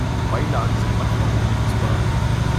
Beilagen sind manchmal ungenießbar.